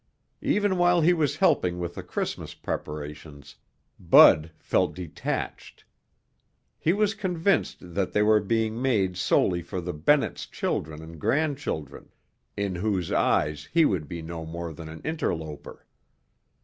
Even while he was helping with the Christmas preparations, Bud felt detached. He was convinced that they were being made solely for the Bennetts' children and grandchildren, in whose eyes he would be no more than an interloper.